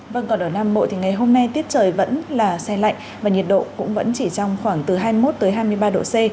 vâng còn ở nam bộ thì ngày hôm nay tiết trời vẫn là xe lạnh và nhiệt độ cũng vẫn chỉ trong khoảng từ hai mươi một hai mươi ba độ c